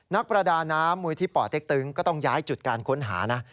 นักประดาน้ำมูลที่ป่อเต็กตึงก็ต้องย้ายจุดการค้นหานะ